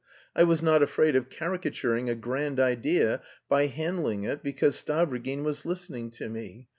I was not afraid of caricaturing a grand idea by handling it because Stavrogin was listening to me....